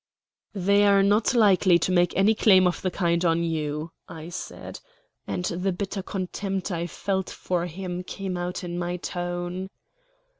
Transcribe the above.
"They are not likely to make any claim of the kind on you," I said. And the bitter contempt I felt for him came out in my tone.